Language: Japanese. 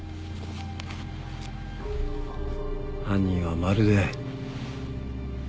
犯人はまるで。